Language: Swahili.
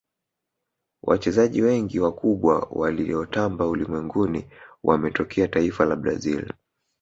wachezaji wengi wakubwa waliotamba ulimwenguni wametokea taifa la brazil